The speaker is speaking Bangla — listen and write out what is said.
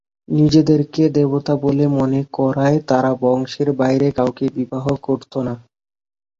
নিজেদেরকে দেবতা বলে মনে করায় তারা বংশের বাইরে কাউকে বিবাহ করত না।